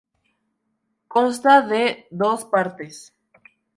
Consta de dos partes.